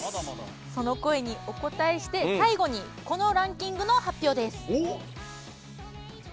その声にお応えして最後にこのランキングの発表です。